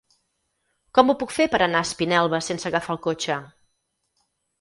Com ho puc fer per anar a Espinelves sense agafar el cotxe?